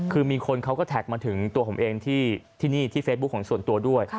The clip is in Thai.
คือมีคนเขาก็แท็กมาถึงตัวผมเองที่นี่ที่เฟซบุ๊คของส่วนตัวด้วย